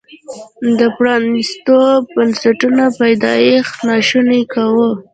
د پرانیستو بنسټونو پیدایښت ناشونی کاوه.